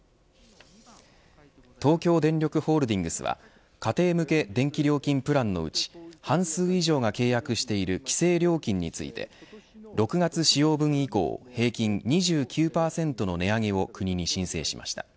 東京電力ホールディングスは家庭向け電気料金プランのうち半数以上が契約している規制料金について６月使用分以降平均２９％の値上げを国に申請しました。